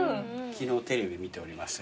「昨日テレビ見ておりました」